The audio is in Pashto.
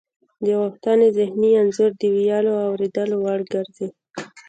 د غوښتنې ذهني انځور د ویلو او اوریدلو وړ ګرځي